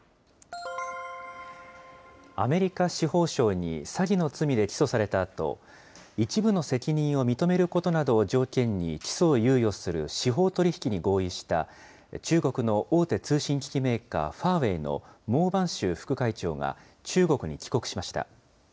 アメリカ司法省に詐欺の罪で起訴されたあと、一部の責任を認めることなどを条件に起訴を猶予する司法取引に合意した、中国の大手通信機器メーカー、ファーウェイの孟晩舟副会長が中国に帰国しました。